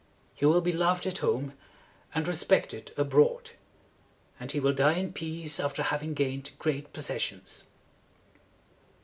He will be loved at home, and re spect ed abroad; and he will die in peace after having gained great pos ses sions."